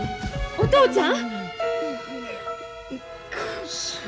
お父ちゃん